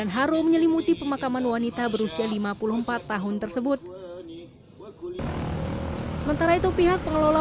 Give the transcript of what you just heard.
haru menyelimuti pemakaman wanita berusia lima puluh empat tahun tersebut sementara itu pihak pengelola